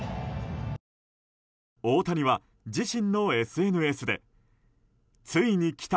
大谷は自身のＳＮＳでついに来た！